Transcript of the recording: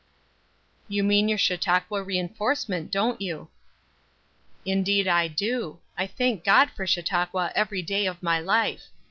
"You mean your Chautauqua reinforcement, don't you?" "Indeed I do; I thank God for Chautauqua every day of my life.